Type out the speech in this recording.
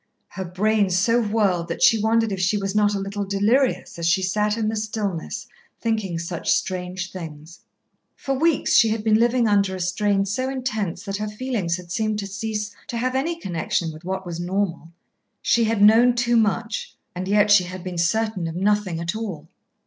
Her brain so whirled that she wondered if she was not a little delirious as she sat in the stillness thinking such strange things. For weeks she had been living under a strain so intense that her feelings had seemed to cease to have any connection with what was normal. She had known too much; and yet she had been certain of nothing at all.